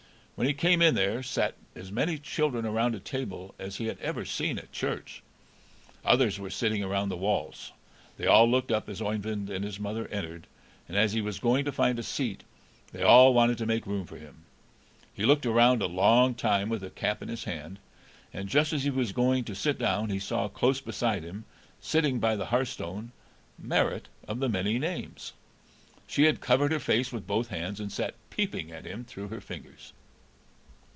When he came in there sat as many children around a table as he had ever seen at church. Others were sitting around the walls. They all looked up as Oeyvind and his mother entered, and as he was going to find a seat they all wanted to make room for him. He looked around a long time with his cap in his hand, and just as he was going to sit down he saw close beside him, sitting by the hearth stone, Marit of the many names. She had covered her face with both hands, and sat peeping at him through her fingers.